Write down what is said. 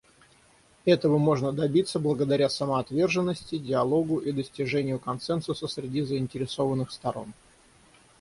Этого можно добиться благодаря самоотверженности, диалогу и достижению консенсуса среди заинтересованных сторон.